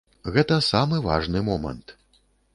Гэта самы важны момант.